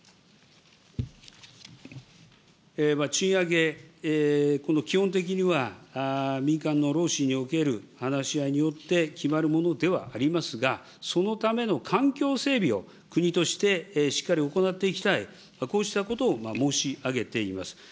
賃上げ、この基本的には、民間の労使における話し合いによって決まるものではありますが、そのための環境整備を国としてしっかり行っていきたい、こうしたことを申し上げています。